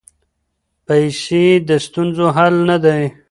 پیسې د ستونزو حل نه دی.